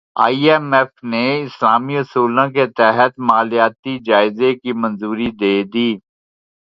ائی M F نے اسلامی اصولوں کے تحت مالیاتی جائزے کی منظوری دے دی